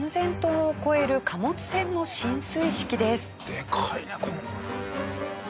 でかいねこの。